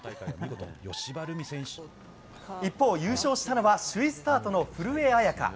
一方、優勝したのは首位スタートの古江彩佳。